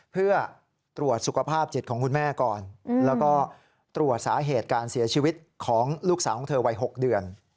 เพื่อตรวจสุขภาพจิตของคุณแม่ก่อนแล้วก็ตรวจสาเหตุการเสียชีวิตของลูกสาวของเธอวัย๖เดือน